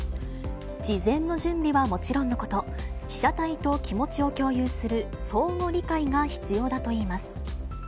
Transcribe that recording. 事前の準備はもちろんのこと、被写体と気持ちを共有する相互理解が必要だといいます。